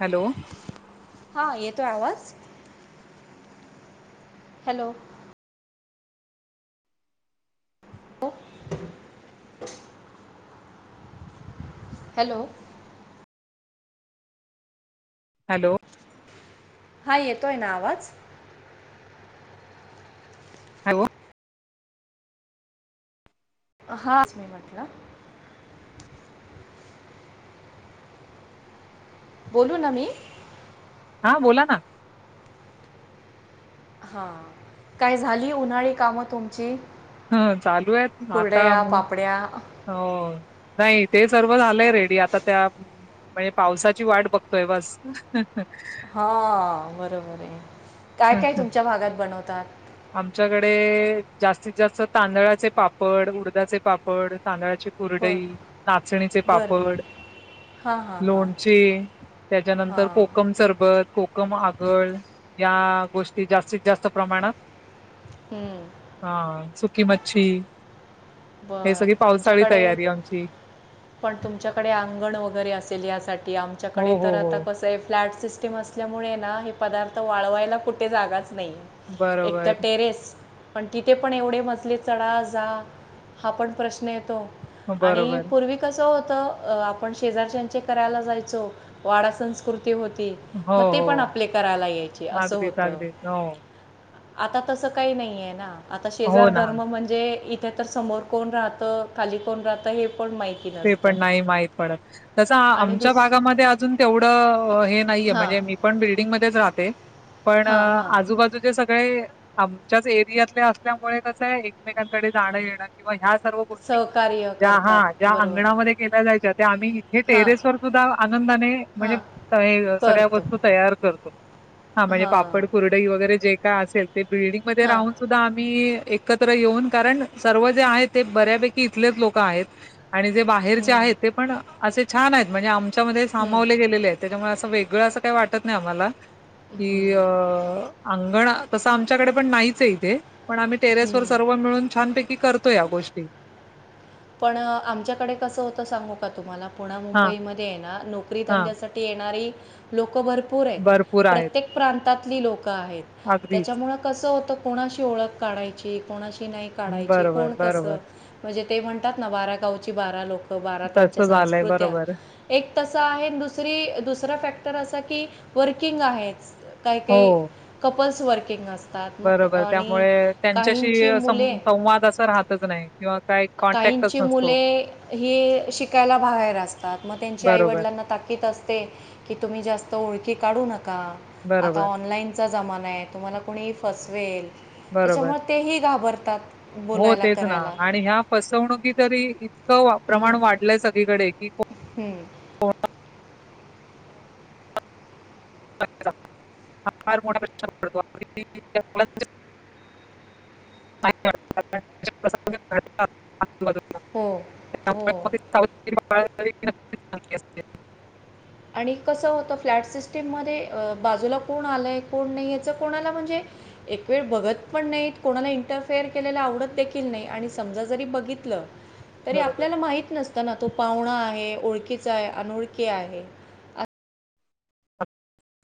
Hello. येतोय आवाज? Hello. Hello. Hello. Hello. हा येतोय ना आवाज? हॅलो. हा. तेच मी म्हटलं. बोलू ना मी? हा बोला ना. हा काय झाली उन्हाळी कामं तुमची? हा चालू आहेत. आता कुरडया मग पापड्या हो नाही ते सर्व झालंय रेडी आता त्या म्हणजे पावसाची वाट बघतोय बस. हा बरोबर आहे. काय काय तुमच्या भागात बनवतात आमच्याकडे जास्तीत जास्त तांदळाचे पापड, उडदाचे पापड, तांदळा ची बर कुरडई, नाचणीचे पापड बरं हां हां हां लोणचे त्याच्यानंतर हां कोकम सरबत, कोकम आगळ या गोष्टी जास्तीत जास्त प्रमाणात हा सुकी मच्छी हे बर सगळी पावसाळी आमच्याकडे तयारी आमची पण तुमच्याकडे अंगण वगैरे अस साठी हो आमच्याकडे तर हो हो आता कस फ्लॅट असल्यामुळे ना हे पदार्थ वाळवायला कुठे जागाच नाही एक तर बरोबर टेरेस पण तिथे पण एवढे मजले चढ जा हा पण प्रश्न येतो आणि बरोबर. पूर्वी कस आपण शेजारच्याचे करायला जायचो वाड संस्कृती हो हो, मग ते हो. पण आपले करायला यायचे असं अगदीच, होत अगदीच. हो. आता तसं काही नाहीय ना आता हो शेजार ना. धर्म म्हणजे तर समोर कोण राहतं खाली कोण राहतं हे पण माहिती ते नसतं पण नाही माहीत पडत तस आणि आमच्या दुस भागामध्ये अजून तेवढं हे नाहीये हां म्हणजे मी पण बिल्डिंगमध्येच राहते पण हां हां आजूबाजूचे सगळे आमच्याच एरियातले असल्यामुळे कस आहे एकमेकांकडे जाणं येणं किंवा ह्या सर्व गोष्टी सहकार्य ज्या हा करतात ज्या बरोबर अंगणामध्ये केल्या जायच्या त्या आम्ही इथे हां टेरेस वर सुद्धा आनंदाने म्हणजे हां सगळ्या करतो वस्तू तयार करतो हा म्हणजे पापड हां कुरडई वगैरे जे काय असेल ते बिल्डिंगमध्ये हां राहून सुद्धा आम्ही एकत्र येऊन कारण सर्व जे आहे ते बऱ्यापैकी इथलेच लोक आहेत आणि जे बाहेरचे हं, आहेत ते पण असे छान आहेत म्हणजे आमच्यामध्ये हं, सामावले गेलेले आहेत त्याच्यामुळे असं वेग ळ असं काही वाटत नाही आम्हाला की हं, ण तसं आमच्याकडे पण नाहीच आहे इथे पण आम्ही टेरेस वर हं. सर्व मिळून छानपैकी करत तो या गोष्टी पण आमच्याकडे कसं होतं सांगू का तुम्हाला हां, पुनामुंबईमध्ये आहे ना नोकरी हां. धंद्यासाठी येणारी लोक लोक भरपूर आहेत भरपूर आहेत. प्रत्येक प्रांतातली लोक अगदीच. त्याच्यामुळे कस होत कोणाशी ओळख काढायची कोणाशी नाही काढायची बरोबर, कोण तसं बरोबर. म्हणजे ते म्हणतात ना बारा गावची बारा लोक बारा त्यांच्या तसं झालंय संस्कृत्या बरोबर. एक तस आहे दुसरी दुसरा फॅक्टर असा की वर्किंग आहेच काही हो. काही कपल्स वर्किंग असत बरोबर त्यामुळे त्यांच्याशी सं मुले संवाद असं राहतच नाही किंवा काय काहींची मुले ही शिकायला बाहेर असतात मग त्यांची बरोबर, आईवडिलांना ताकीद असतात की तुम्ही जास्त ओळखी काढू नका आता बरोबर, ऑनलाईनचा जमाना आहे तुम्हाला कुणीही फसवेल बरोबर. त्याच्यामुळे तेही घाबरतात हो, बोलायला तेच ना करायला आणि ह्या फसवणुकी तरी इतकं हम्म, प्रमाण वाढलंय सगळीकडे कि हम्म, अच्छा फार मोठा प्रश्न पडतो नाही वाटत, कारण असे प्रसंग घडतात आजूबाजूला. हो त्यामुळे हो मग ती सावधगिरी बाळगली नक्कीच चांगली असते. आणि कसं होतं फ्लॅट सिस्टीम मध्ये बाजूला कोण आलाय कोण नाही याच कोणा आला म्हणजे एक वेळ बघत पण नाही कोणाला इंटरफेअर केलेला आवडत देखील नाही आणि समजा जरी बघित तरी बरोबर. आपल्याला माहत नसतं ना तो पाहुणा आहे ओळखीचा आहे अनोळखी आहे